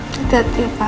tidak tia pak